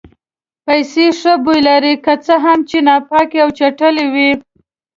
پیسې ښه بوی لري که څه هم چې ناپاکې او چټلې وي.